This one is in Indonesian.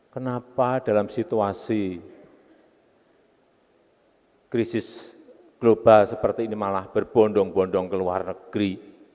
kenapa dalam situasi krisis global seperti ini malah berbondong bondong ke luar negeri